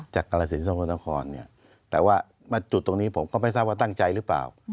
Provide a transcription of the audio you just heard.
กรสินสกลนครเนี่ยแต่ว่ามาจุดตรงนี้ผมก็ไม่ทราบว่าตั้งใจหรือเปล่า